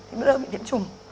thì nó lại bị điểm trùng